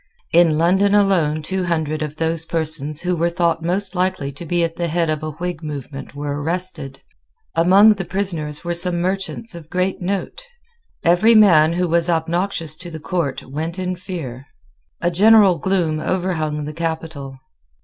In London alone two hundred of those persons who were thought most likely to be at the head of a Whig movement were arrested. Among the prisoners were some merchants of great note. Every man who was obnoxious to the Court went in fear. A general gloom overhung the capital.